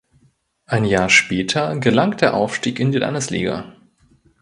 Ein Jahr später gelang der Aufstieg in die Landesliga.